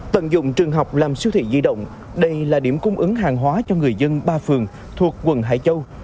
tận dụng trường học làm siêu thị di động đây là điểm cung ứng hàng hóa cho người dân ba phường thuộc quận hải châu